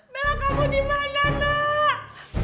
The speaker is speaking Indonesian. bella kamu dimana nak